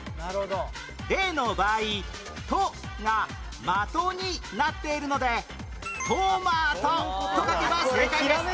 例の場合「と」が的になっているのでトマトと書けば正解です